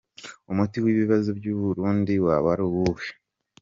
Umuti w’ibibazo by’u Burundi waba uwuhe?.